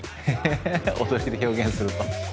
踊りで表現すると。